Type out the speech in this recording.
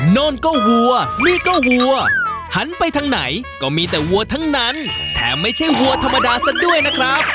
โน่นก็วัวนี่ก็วัวหันไปทางไหนก็มีแต่วัวทั้งนั้นแถมไม่ใช่วัวธรรมดาซะด้วยนะครับ